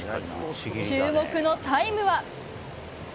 注目のタイムは？